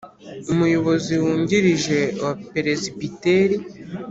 Umuyobozi wungirije wa Peresibiteri